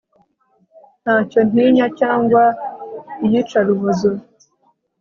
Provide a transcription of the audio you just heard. Ntacyo ntinya cyangwa iyicarubozo